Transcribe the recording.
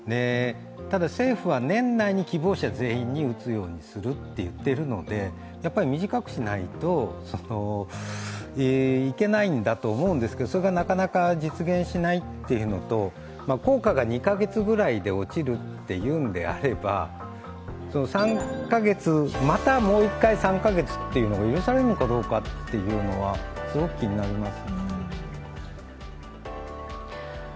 ただ、政府は年内に希望者全員に打つようにすると言ってるので短くしないといけないんだと思うんですけどそれがなかなか実現しないというのと、効果が２か月ぐらいで落ちるっていうんであればまたもう１回、３か月っていうのは許されるのかどうかというのは、すごく気になりますね。